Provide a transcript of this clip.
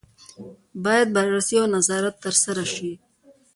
باید بررسي او نظارت ترسره شي.